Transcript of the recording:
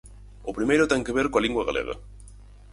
O primeiro ten que ver coa lingua galega.